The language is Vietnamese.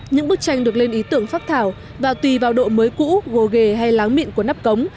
những bức tranh được lên ý tưởng phát thảo và tùy vào độ mới cũ gồ gề hay láng mịn của nắp cống